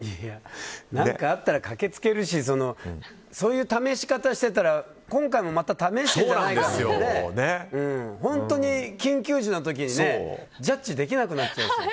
何かあったら駆けつけるしそういう試し方してたら今回もまた試してるんじゃないかって本当に緊急時の時にジャッジできなくなっちゃう。